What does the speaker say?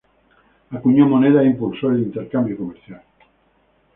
Acuñó moneda e impulsó el intercambio comercial.